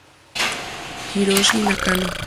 Hiroshi Nakano